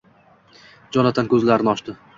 Jonatan ko‘zlarini ochdi.